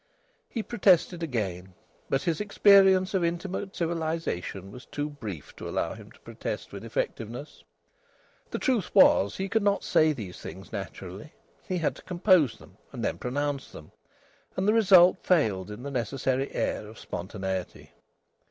He protested again, but his experience of intimate civilisation was too brief to allow him to protest with effectiveness. The truth was, he could not say these things naturally. He had to compose them, and then pronounce them, and the result failed in the necessary air of spontaneity.